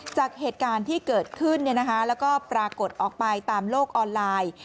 จากเหตุการณ์ที่เกิดขึ้นแล้วก็ปรากฏออกไปตามโลกออนไลน์